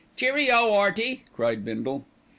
"Cheer o! 'Earty!" cried Bindle. Mr.